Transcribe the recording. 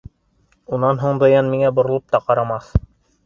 Унан һуң Даян миңә боролоп та ҡарамаҫ!